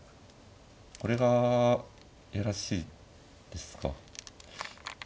これが嫌らしいですか。